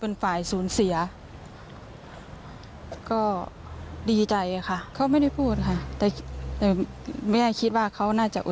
ไม่มีเลยนะคะ